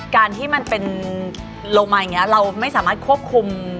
การที่มันเป็นโลมาอย่างนี้เราไม่สามารถควบคุม